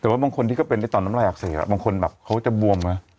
แต่ว่าบางคนที่ก็เป็นได้ตอนน้ำลายอักเสบบางคนแบบเขาจะบวมนะ